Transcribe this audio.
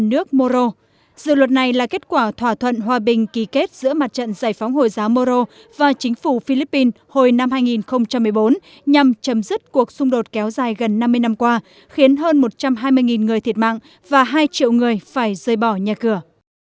dự luật này là kết quả thỏa thuận hòa bình ký kết giữa mặt trận giải phóng hồi giáo moro và chính phủ philippines hồi năm hai nghìn một mươi bốn nhằm chấm dứt cuộc xung đột kéo dài gần năm mươi năm qua khiến hơn một trăm hai mươi người thiệt mạng và hai triệu người phải rơi bỏ nhà cửa